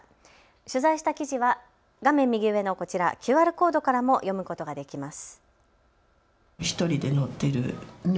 取材した記事は画面右上のこちら、ＱＲコードからも読むことができます。